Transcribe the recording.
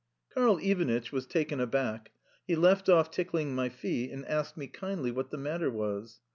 Karl Ivanitch was taken aback. He left off tickling my feet, and asked me kindly what the matter was.